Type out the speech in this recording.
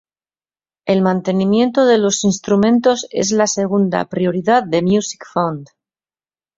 El mantenimiento de los instrumentos es la segunda prioridad de Music Fund.